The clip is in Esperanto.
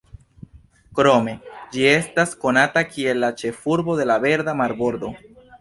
Krome, ĝi estas konata kiel la ĉefurbo de la "Verda marbordo".